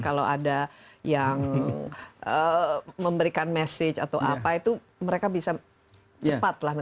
kalau ada yang memberikan message atau apa itu mereka bisa cepat lah